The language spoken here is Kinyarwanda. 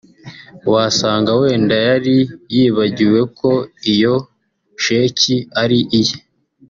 wasanga wenda yari yibagiwe ko iyo sheki ari iye